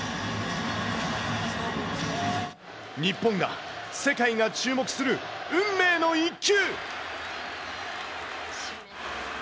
日本が、世界が注目する運命の一球。